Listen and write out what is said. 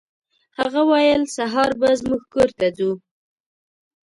هغه ویل سهار به زموږ کور ته ځو.